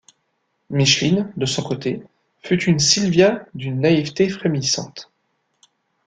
Micheline, de son côté, fut une Silvia d’une naïveté frémissante.